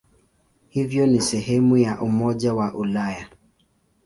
Hivyo ni sehemu ya Umoja wa Ulaya.